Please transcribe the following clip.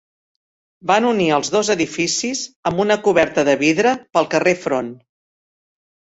Van unir els dos edificis amb una coberta de vidre pel carrer Front.